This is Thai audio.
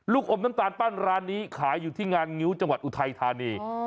อมน้ำตาลปั้นร้านนี้ขายอยู่ที่งานงิ้วจังหวัดอุทัยธานี